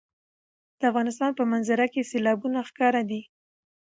د افغانستان په منظره کې سیلابونه ښکاره دي.